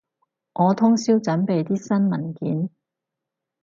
我通宵準備啲新文件